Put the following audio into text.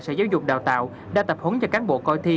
sở giáo dục đào tạo đã tập huấn cho cán bộ coi thi